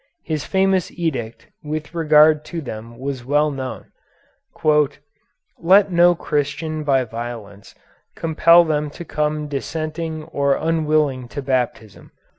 His famous edict with regard to them was well known: "Let no Christian by violence compel them to come dissenting or unwilling to Baptism.